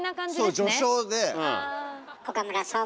そう序章で。